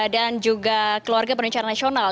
dan juga keluarga penunjukan nasional